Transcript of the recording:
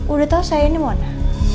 udah tahu saya ini mona